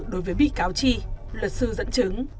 đối với bị cáo chi luật sư dẫn chứng